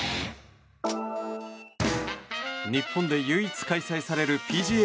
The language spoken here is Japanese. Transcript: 日本で唯一開催されるＰＧＡ